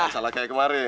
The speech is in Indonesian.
gak salah kayak kemarin